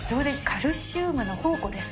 カルシウムの宝庫ですね。